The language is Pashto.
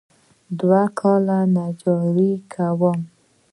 دوه کاله نجاري کوم.